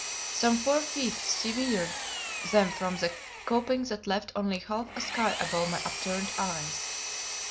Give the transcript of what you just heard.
Some four feet severed them from the coping that left only half a sky above my upturned eyes.